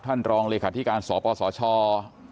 ท่านรองเลยกาศน์ที่การสอบซอชช